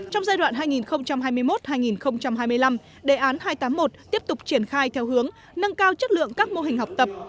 trong giai đoạn hai nghìn hai mươi một hai nghìn hai mươi năm đề án hai trăm tám mươi một tiếp tục triển khai theo hướng nâng cao chất lượng các mô hình học tập